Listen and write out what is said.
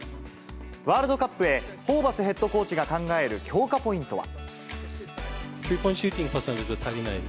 ワールドカップへ、ホーバスヘッドコーチが考える強化ポイントは。